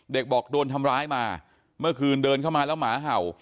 เด็กบอกโดนทำร้ายมาเมื่อคืนเดินเข้ามาแล้วหมาเห่า